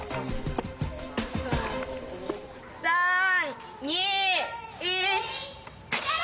３２１。